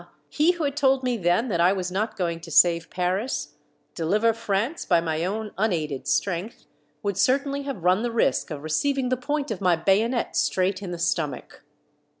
he who had told me then that I was not going to save Paris, deliver France by my own unaided strength, would certainly have run the risk of receiving the point of my bayonet straight in the stomach.